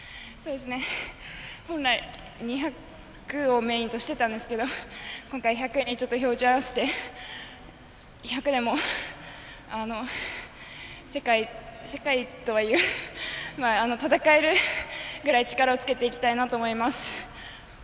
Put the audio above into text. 本来、２００をメインとしてたんですけど今回１００に照準を合わせて１００でも世界とはいえないですが戦えるぐらい、力をつけていきたいなと思います。